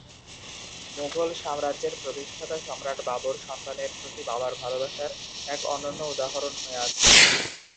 মুঘল সাম্রাজ্যের প্রতিষ্ঠাতা সম্রাট বাবর সন্তানের প্রতি বাবার ভালোবাসার এক অনন্য উদাহরণ হয়ে আছেন।